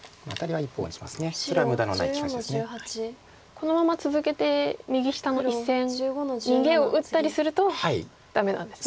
このまま続けて右下の１線逃げを打ったりするとダメなんですね。